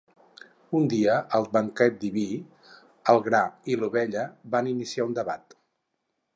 Un dia, al banquet diví, el gra i l'ovella van iniciar un debat.